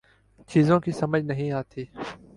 چیزوں کی سمجھ نہیں آتی